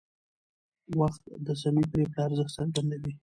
وخت د سمې پرېکړې ارزښت څرګندوي